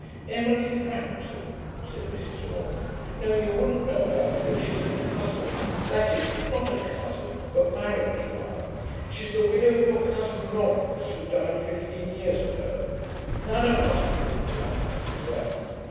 'Emily Frampton,' said Mrs. Orme. 'No, you wouldn't know her, but she's a cousin. That is, not a cousin, but married to one. She's the widow of your cousin Laurence, who died fifteen years ago. None of us could think why ... well.'